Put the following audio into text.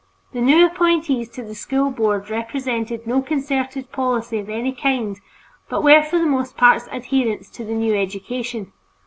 The new appointees to the School Board represented no concerted policy of any kind, but were for the most part adherents to the new education.